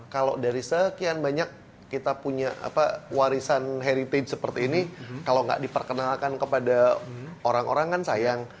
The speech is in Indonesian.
kalau dari sekian banyak kita punya warisan heritage seperti ini kalau nggak diperkenalkan kepada orang orang kan sayang